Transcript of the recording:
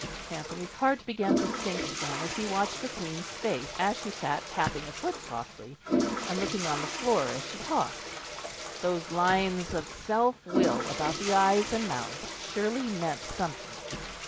Anthony's heart began to sink again as he watched the Queen's face as she sat tapping a foot softly and looking on the floor as she talked. Those lines of self will about the eyes and mouth surely meant something.